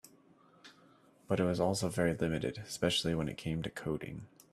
But it was also very limited, especially when it came to coding.